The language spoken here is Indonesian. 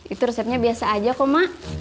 itu resepnya biasa aja kok mak